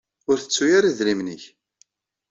Ur ttettu ara idrimen-ik.